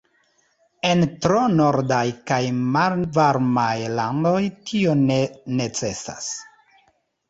En tro nordaj kaj malvarmaj landoj, tio ne necesas.